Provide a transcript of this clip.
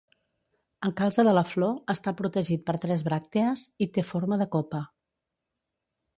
El calze de la flor està protegit per tres bràctees i té forma de copa.